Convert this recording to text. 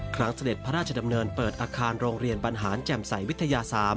เสด็จพระราชดำเนินเปิดอาคารโรงเรียนบรรหารแจ่มใสวิทยา๓